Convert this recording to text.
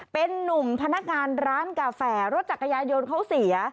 เป็นนุ่มพนักงานร้านกาแฟรถจักรยานยนต์เขาเสีย